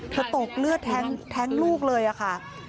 เธอตกเลือดเท๊งลูกเลยค่ะ